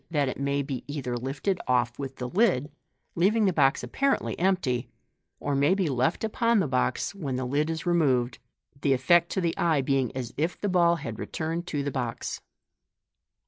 that it may be either lifted off with the lid, leaving the box apparently empty, or may be left upon the box when the lid is removed, the dcct to the eye being as if the ball had returned to th<r box.